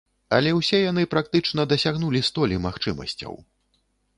Але ўсе яны практычна дасягнулі столі магчымасцяў.